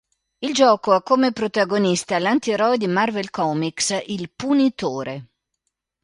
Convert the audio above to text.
Il gioco ha come protagonista l'antieroe di Marvel Comics, Il Punitore.